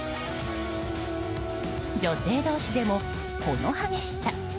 女性同士でも、この激しさ。